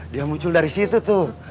dia muncul dari situ tuh